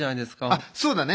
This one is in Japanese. あっそうだね。